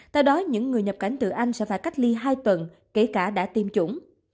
theo đó những người nhập cảnh từ anh sẽ phải cách ly hai tuần kể cả đã tiêm chủng